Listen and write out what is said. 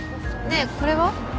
ねえこれは？